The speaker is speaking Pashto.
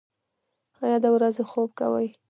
ایا د ورځې خوب کوئ؟